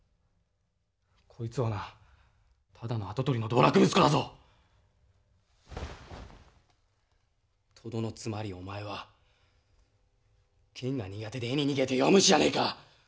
こいつはなただの跡取りの道楽息子だぞ！とどのつまりお前は剣が苦手で絵に逃げて弱虫じゃねえか！